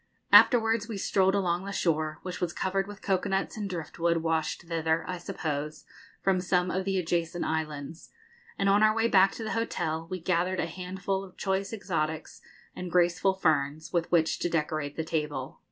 Afterwards we strolled along the shore, which was covered with cocoa nuts and driftwood, washed thither, I suppose, from some of the adjacent islands, and on our way back to the hotel we gathered a handful of choice exotics and graceful ferns, with which to decorate the table.